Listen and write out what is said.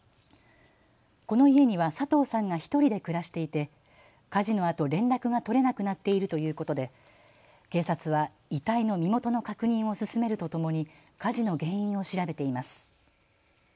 この家には佐藤さんが１人で暮らしていて火事のあと連絡が取れなくなっているということで警察は遺体の身元の確認を進めるとともに火事の原因を調べています。